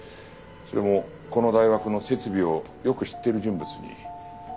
それもこの大学の設備をよく知ってる人物に。